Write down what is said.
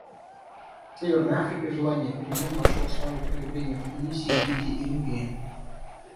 В Северной Африке желание перемен нашло свое проявление в Тунисе, Египте и Ливии.